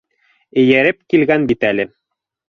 Эйәреп килгән бит әле.